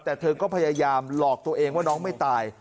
แต่เธอก็พยายามหลอกตัวเองว่าน้องไม่ตาย